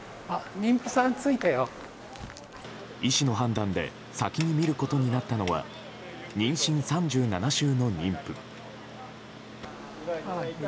医師の判断で先に診ることになったのは妊娠２７週の妊婦。